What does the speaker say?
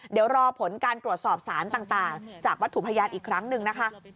เดี๋ยวรอผลการตรวจสอบสารต่างจากวัตถุพยานอีกครั้งหนึ่งนะคะ